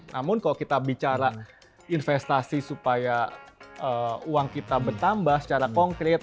namun kalau kita bicara investasi supaya uang kita bertambah secara konkret